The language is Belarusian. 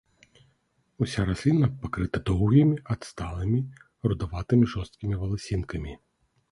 Уся расліна пакрыта доўгімі адсталымі рудаватымі жорсткімі валасінкамі.